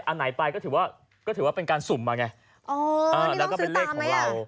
อันไหนไปก็ถือว่าก็ถือว่าเป็นการสุ่มมาไงแล้วก็เป็นเลขของเรา